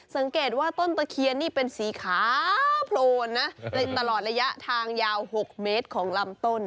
สังเกตว่าต้นตะเคียนนี่เป็นสีขาวโพลนนะตลอดระยะทางยาว๖เมตรของลำต้น